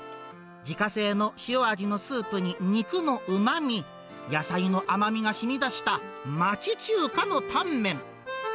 自家製の塩味のスープに肉のうまみ、野菜の甘みがしみ出した町中華のタンメン。